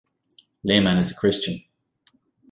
Lehman is a Christian.